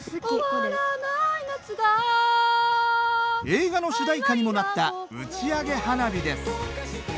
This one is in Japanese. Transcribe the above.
映画の主題歌にもなった「打上花火」です。